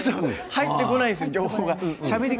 入ってこないですよ情報が。